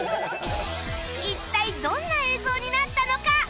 一体どんな映像になったのか？